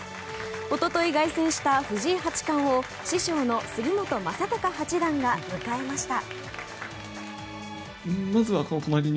一昨日、凱旋した藤井八冠を師匠の杉本昌隆八段が迎えました。